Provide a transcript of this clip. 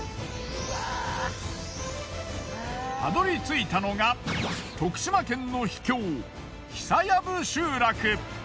たどり着いたのが徳島県の秘境久藪集落。